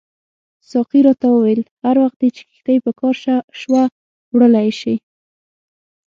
ساقي راته وویل هر وخت چې دې کښتۍ په کار شوه وړلای یې شې.